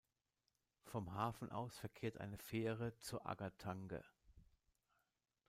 Vom Hafen aus verkehrt eine Fähre zur Agger Tange.